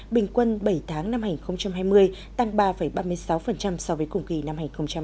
bình quân bảy tháng năm hai nghìn hai mươi tăng ba ba mươi sáu so với cùng kỳ năm hai nghìn một mươi chín